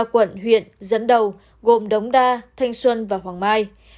ba quận huyện dẫn đầu gồm đống đa thanh xuân và hoàng mai